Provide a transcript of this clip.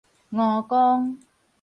吳剛